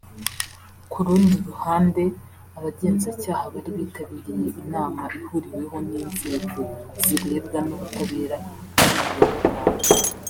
Ku rundi ruhande abagenzacyaha bari bitabiriye inama ihuriweho n’inzego zirebwa n’ubutabera kuri uyu wa gatanu